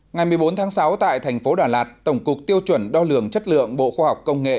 ngày một mươi bốn tháng sáu tại thành phố đà lạt tổng cục tiêu chuẩn đo lường chất lượng bộ khoa học công nghệ